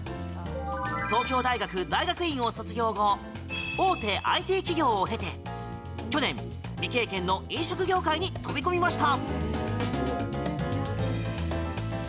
東京大学大学院を卒業後大手ＩＴ企業を経て去年、未経験の飲食業界に飛び込みました。